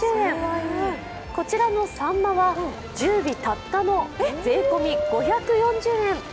こちらのサンマは、１０尾たったの税込み５４０円。